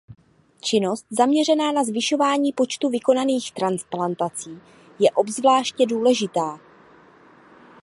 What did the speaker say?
Činnost zaměřená na zvyšování počtu vykonaných transplantací je obzvláště důležitá.